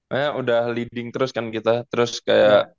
kayaknya udah leading terus kan kita terus kayak